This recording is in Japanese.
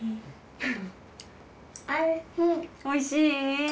おいしい？